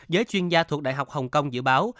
giới chuyên gia thuộc đại học hồng kông dự báo